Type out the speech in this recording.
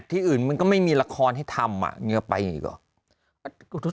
ที่อื่นมันก็ไม่มีละครให้ทำอย่าไปอีกหรอ